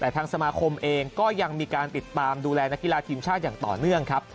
แต่ทางสมาคมเองก็ยังมีการติดตามดูแลนักกีฬาทีมชาติอย่างต่อเนื่องครับ